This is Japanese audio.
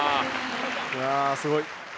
いやすごい。